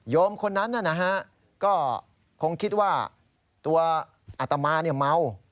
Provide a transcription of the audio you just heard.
โยมคนนั้นน่ะนะฮะก็คงคิดว่าตัวอาตมาเนี่ยเมา